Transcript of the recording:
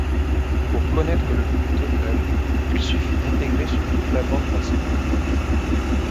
Pour connaître le bruit total, il suffit d'intégrer sur toute la bande passante.